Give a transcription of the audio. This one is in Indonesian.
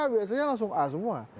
biasanya langsung a semua